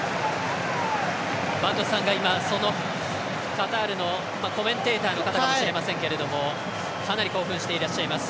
播戸さんが今、そのカタールのコメンテーターの方かもしれませんがかなり興奮していらっしゃいます。